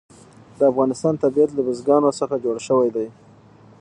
د افغانستان طبیعت له بزګانو څخه جوړ شوی دی.